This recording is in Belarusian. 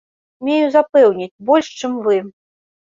Смею запэўніць, больш, чым вы.